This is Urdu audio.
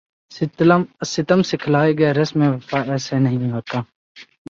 ستم سکھلائے گا رسم وفا ایسے نہیں ہوتا